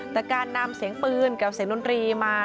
แต่การนำเสียงปืนกับเสียงดนตรีมา